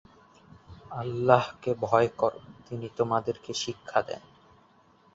আল্লাহকে ভয় কর তিনি তোমাদেরকে শিক্ষা দেন।